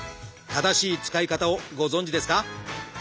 正しい使い方をご存じですか？